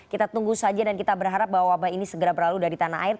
kita tunggu saja dan kita berharap bahwa wabah ini segera berlalu dari tanah air